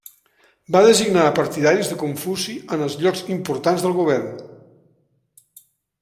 Va designar a partidaris de Confuci en els llocs importants del govern.